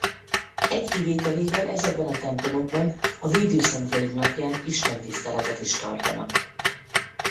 Egy kivételével ezekben a templomokban a védőszentjeik napján istentiszteletet is tartanak.